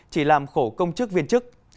chỉ làm khổ công chức viên chức